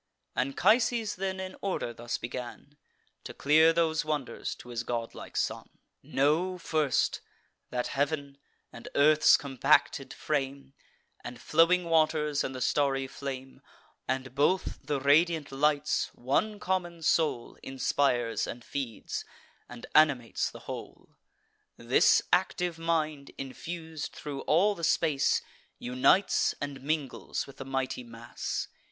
Anchises then, in order, thus begun To clear those wonders to his godlike son: "Know, first, that heav'n, and earth's compacted frame, And flowing waters, and the starry flame, And both the radiant lights, one common soul Inspires and feeds, and animates the whole. This active mind, infus'd thro' all the space, Unites and mingles with the mighty mass.